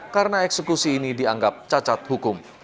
karena eksekusi ini dianggap cacat hukum